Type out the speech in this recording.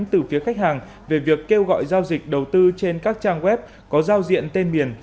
từ phía khách hàng về việc kêu gọi giao dịch đầu tư trên các trang web có giao diện tên miền